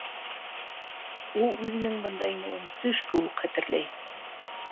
Ул үҙенең бында инеүен төш кеүек хәтерләй.